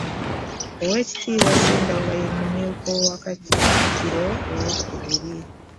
Oweekitiibwa Sendawula ye mumyuka wa Katikkiro owookubiri.